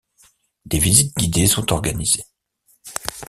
Des visites guidées sont organisées.